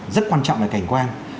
rất quan trọng là cảnh quan